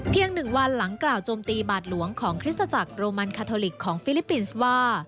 ๑วันหลังกล่าวโจมตีบาทหลวงของคริสตจักรโรมันคาทอลิกของฟิลิปปินส์ว่า